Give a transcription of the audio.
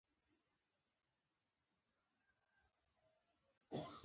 موږ چې له صفا او مروه خلاص شو.